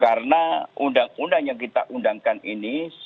karena undang undang yang kita undangkan ini